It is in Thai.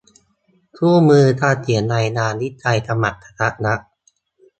คู่มือการเขียนรายงาน วิจัย ฉบับกะทัดรัด